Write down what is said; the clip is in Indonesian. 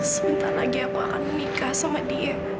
sebentar lagi aku akan menikah sama dia